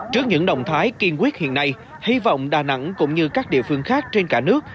trước những động thái kiên quyết hiện nay hy vọng đà nẵng cũng như các địa phương khác trên cả nước